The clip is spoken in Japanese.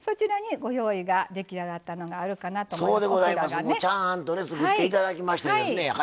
ご用意が出来上がったのがあると思います。